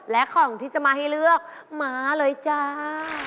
และของที่จะมาให้เลือกมาเลยจ้า